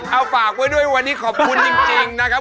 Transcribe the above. เอาฝากไว้ด้วยวันนี้ขอบคุณจริงนะครับ